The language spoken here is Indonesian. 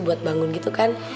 buat bangun gitu kan